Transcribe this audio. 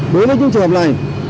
đối với những trường hợp này